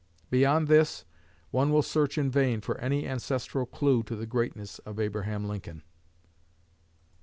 Beyond this, one will search in vain for any ancestral clue to the greatness of Abraham Lincoln."